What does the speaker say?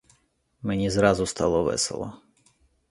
Мені зразу стало весело.